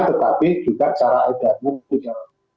tetapi juga cara edamu juga